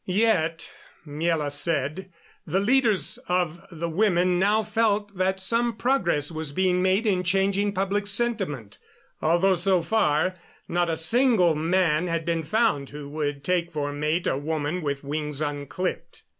Yet, Miela said, the leaders of the women now felt that some progress was being made in changing public sentiment, although so far not a single man had been found who would take for mate a woman with wings unclipped.